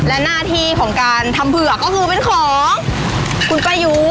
และหน้าที่ของการทำเผือกก็คือเป็นของคุณป้ายู